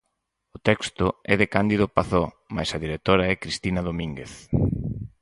O texto é de Cándido Pazó mais a directora é Cristina Domínguez.